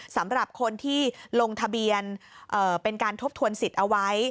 สำหรับคนที่ลงทะเบียนเป็นการทบทวนสิทธิ์เอาไว้